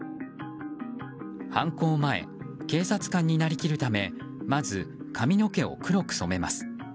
犯行前、警察官になりきるためまず髪の毛を黒く染めます。